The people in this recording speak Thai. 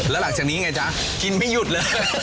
แล้วหลังจากนี้ไงจ๊ะกินไม่หยุดเลย